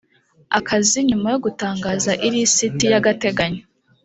akazi nyuma yo gutangaza ilisiti y agateganyo